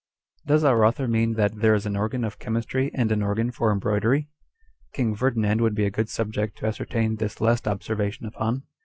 3 Does our author mean that there is an organ of chemistry, and an organ for embroidery ? King Ferdinand would be a good subject to ascertain this last observation upon.